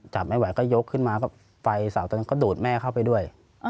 จับไม่ไหวก็ยกขึ้นมาไฟเสาตอนนั้นก็ดูดแม่เข้าไปด้วย